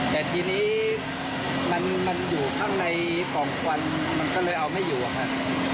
แต่ทีนี้มันอยู่ข้างในของควันมันก็เลยเอาไม่อยู่อะครับ